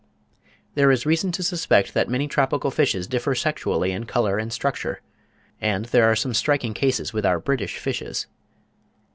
There is reason to suspect that many tropical fishes differ sexually in colour and structure; and there are some striking cases with our British fishes.